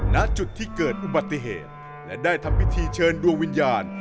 ณจุดที่เกิดอุบัติเหตุและได้ทำพิธีเชิญดวงวิญญาณ